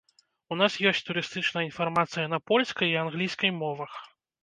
У нас ёсць турыстычная інфармацыя на польскай і англійскай мовах.